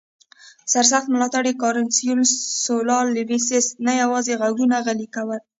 سرسخت ملاتړي کارنلیوس سولا لوسیوس نه یوازې غږونه غلي کړل